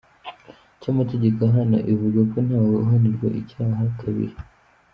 cy’amategeko ahana ivugako ntawe uhanirwa icyaha kabiri.